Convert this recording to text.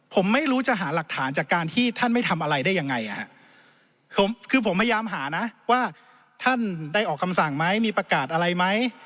ผมไม่รู้จะหาหลักฐานจากการที่ท่านไม่ทำอะไรได้ยังไงคือผมพยายามหานะว่าท่านได้ออกคำสั่งไหมมีประกาศอะไรไหม